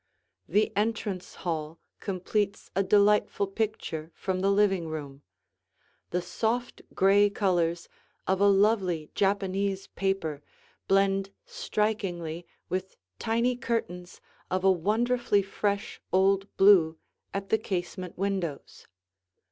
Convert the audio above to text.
The entrance hall completes a delightful picture from the living room; the soft gray colors of a lovely Japanese paper blend strikingly with tiny curtains of a wonderfully fresh old blue at the casement windows.